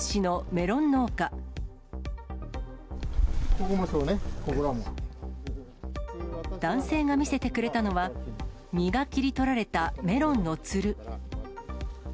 ここもそうね、ここらも。男性が見せてくれたのは、実が切り取られたメロンのつる。